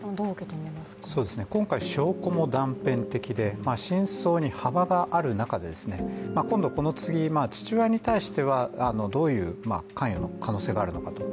今回、証拠も断片的で、真相に幅がある中で今度、この次、父親に対してはどういう関与の可能性があるのかと。